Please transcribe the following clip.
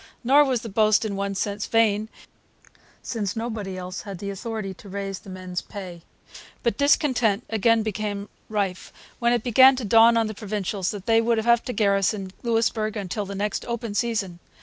Nor was the boast, in one sense, vain, since nobody else had the authority to raise the men's pay. But discontent again became rife when it began to dawn on the Provincials that they would have to garrison Louisbourg till the next open season.